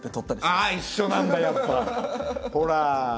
あっ一緒なんだやっぱほら。